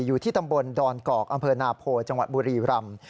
อยู่ที่ตำบลดอนกอกอำเภอนาโพจังหวัดบุรีรำ